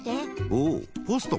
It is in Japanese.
おおポストも。